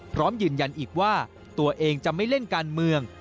พร้อมยืนยันอีกว่าตัวเองจะไม่เล่นการเมือง